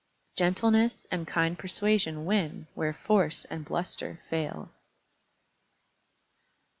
_Gentleness and kind persuasion win where force and bluster fail.